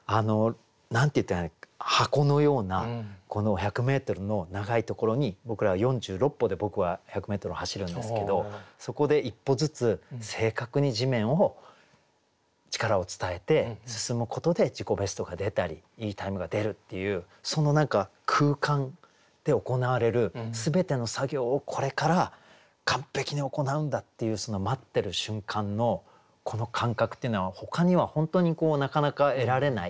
箱のようなこの１００メートルの長いところに僕らは４６歩で僕は１００メートルを走るんですけどそこで一歩ずつ正確に地面を力を伝えて進むことで自己ベストが出たりいいタイムが出るっていうその何か空間で行われる全ての作業をこれから完璧に行うんだっていうその待ってる瞬間のこの感覚っていうのはほかには本当になかなか得られない。